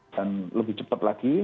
dan lebih cepat lagi